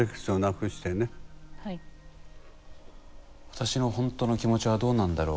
私のほんとの気持ちはどうなんだろう